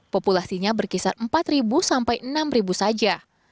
populasinya berkisar empat sampai enam saja